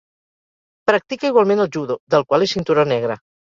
Practica igualment el judo, del qual és cinturó negre.